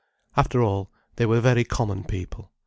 After all, they were very common people.